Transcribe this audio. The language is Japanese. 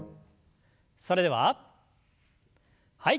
それでははい。